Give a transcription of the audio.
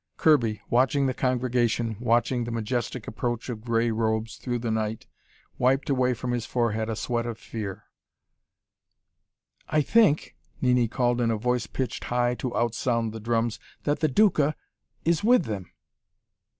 Kirby, watching the congregation, watching the majestic approach of gray robes through the night, wiped away from his forehead a sweat of fear. "I think," Nini called in a voice pitched high to outsound the drums, "that the the Duca is with them!"